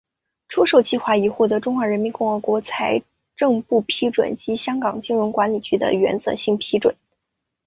出售计划已获得中华人民共和国财政部批准及香港金融管理局的原则性批准。